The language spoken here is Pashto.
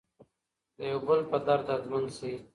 د یو بل په درد دردمن شئ.